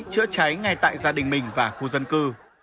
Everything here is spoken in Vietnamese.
chữa cháy ngay tại gia đình mình và khu dân cư